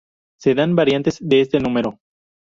Se dan variantes de este número.